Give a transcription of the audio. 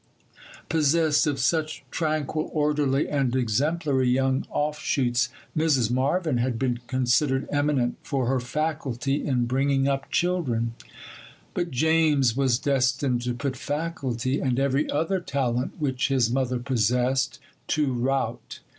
Possessed of such tranquil, orderly, and exemplary young offshoots, Mrs. Marvyn had been considered eminent for her 'faculty' in bringing up children. But James was destined to put 'faculty,' and every other talent which his mother possessed, to rout.